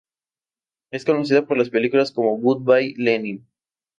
Es conocido por películas como "Good Bye, Lenin!